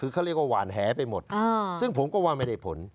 เขาเรียกว่าหวานแหไปหมดซึ่งผมก็ว่าไม่ได้ผล